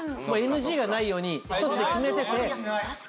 ＮＧがないようにひとつで決めてて。